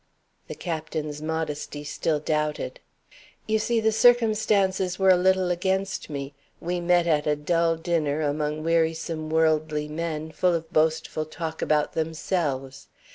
The Captain's modesty still doubted. "You see, the circumstances were a little against me. We met at a dull dinner, among wearisome worldly men, full of boastful talk about themselves.